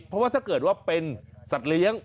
เพราะว่าถ้าเกิดว่าเป็นสัตว์เลี้ยง